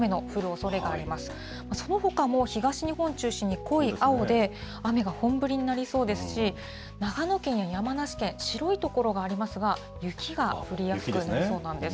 そのほかも、東日本を中心に濃い青で、雨が本降りになりそうですし、長野県や山梨県、白い所がありますが、雪が降りやすくなりそうなんです。